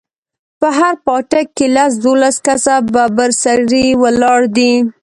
په هر پاټک کښې لس دولس کسه ببر سري ولاړ دي.